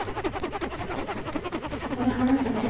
そこで話すね。